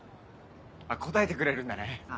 あっ答えてくれるんだね。